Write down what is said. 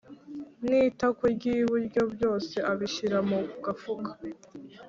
n itako ry iburyo Byose abishyira mu gafuka